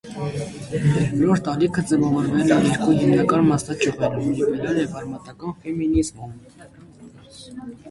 Երկրորդ ալիքը ձևավորվել է երկու հիմնական մասնաճյուղերում. լիբերալ և արմատական ֆեմինիզմում։